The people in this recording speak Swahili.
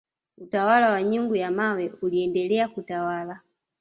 utawala wa nyungu ya mawe uliendelea kutawala